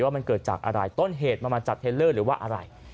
ว่ามันเกิดจากอะไรต้นเหตุมันมาจากเทลเลอร์หรือว่าอะไร